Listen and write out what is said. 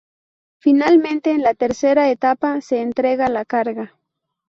Finalmente en la tercera etapa, se entrega la carga.